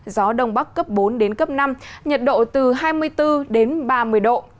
gió đông bắc cấp bốn đến cấp năm nhiệt độ từ hai mươi bốn đến ba mươi độ